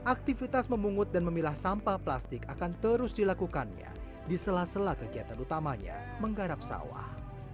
aktivitas memungut dan memilah sampah plastik akan terus dilakukannya di sela sela kegiatan utamanya menggarap sawah